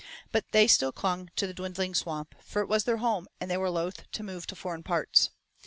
But they still clung to the dwindling Swamp, for it was their home and they were loath to move to foreign parts.